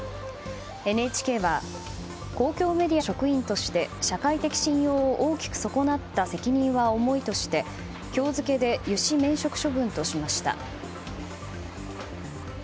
ＮＨＫは公共メディアの職員として社会的信用を大きく損なった責任は重いとして今日付で諭旨免職処分としました。